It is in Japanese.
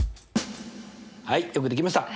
はいよくできました。